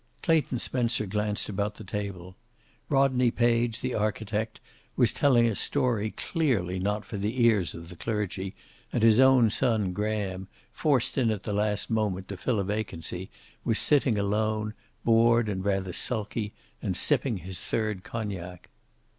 Clayton Spencer glanced about the table. Rodney Page, the architect, was telling a story clearly not for the ears of the clergy, and his own son, Graham, forced in at the last moment to fill a vacancy, was sitting alone, bored and rather sulky, and sipping his third cognac.